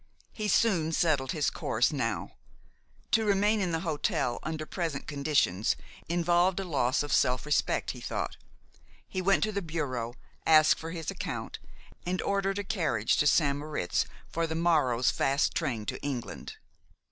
He soon settled his course now. To remain in the hotel under present conditions involved a loss of self respect, he thought. He went to the bureau, asked for his account, and ordered a carriage to St. Moritz for the morrow's fast train to England.